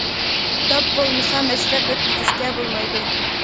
داپ بولمىسا مەشرەپ ئۆتكۈزۈشكە بولمايدۇ.